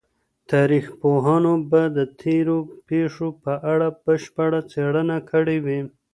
تاريخ پوهانو به د تېرو پېښو په اړه بشپړه څېړنه کړې وي.